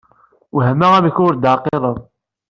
Wehmeɣ amek ur yi-d-teɛqileḍ.